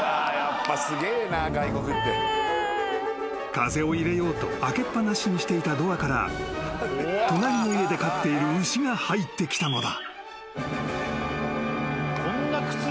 ［風を入れようと開けっ放しにしていたドアから隣の家で飼っている牛が入ってきたのだ］